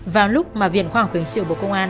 vào lúc mà viện khoa học hình sự bộ công an